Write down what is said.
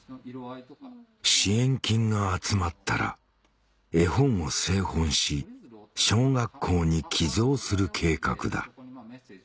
支援金が集まったら絵本を製本し小学校に寄贈する計画だ